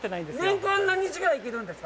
年間何日ぐらいいけるんですか。